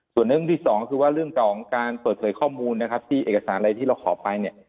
ส่วนเรื่องที่สองก็คือว่าเรื่องของการเปิดเผยข้อมูลนะครับที่เอกสารอะไรที่เราขอไปเนี่ย